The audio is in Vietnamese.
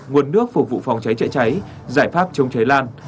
nguồn nước phục vụ phòng cháy chữa cháy giải pháp chống cháy lan